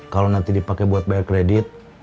kalo nanti dipake buat bayar kredit